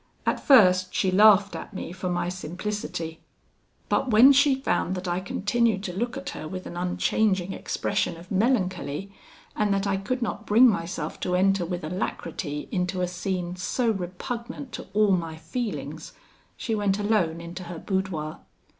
"At first she laughed at me for my simplicity; but when she found that I continued to look at her with an unchanging expression of melancholy, and that I could not bring myself to enter with alacrity into a scene so repugnant to all my feelings, she went alone into her boudoir.